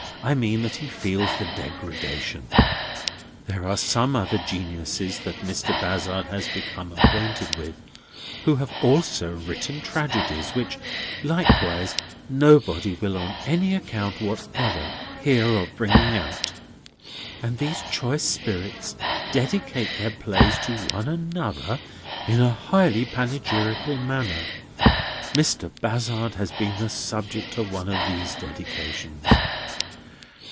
I mean, that he feels the degradation. There are some other geniuses that Mr. Bazzard has become acquainted with, who have also written tragedies, which likewise nobody will on any account whatever hear of bringing out, and these choice spirits dedicate their plays to one another in a highly panegyrical manner. Mr. Bazzard has been the subject of one of these dedications.